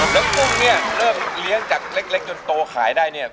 แล้วกุ้งเนี่ยเริ่มเลี้ยงจากเล็กจนโตขายได้เนี่ย